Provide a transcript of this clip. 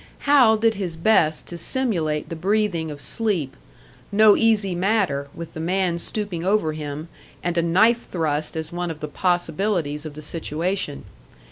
Hal did his best to simulate the breathing of sleep: no easy matter, with the man stooping over him, and a knife thrust as one of the possibilities of the situation.